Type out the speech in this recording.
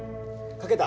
書けた！